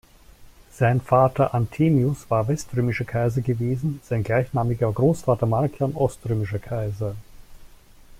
Sein Vater Anthemius war weströmischer Kaiser gewesen, sein gleichnamiger Großvater Markian oströmischer Kaiser.